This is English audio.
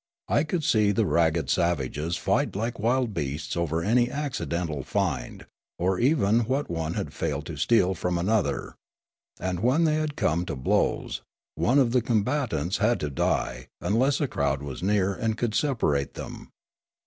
I would see the ragged savages fight like wild beasts over any accidental find, or even what one had failed to steal from another ; and when they had come to blows, one of the combatants had to die unless a crowd was near and could separate them.